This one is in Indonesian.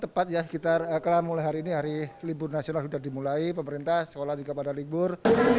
tepat ya kita mulai hari ini hari libur nasional sudah dimulai pemerintah sekolah juga pada libur